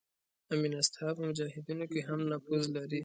امینست ها په مجاهدینو کې هم نفوذ لري.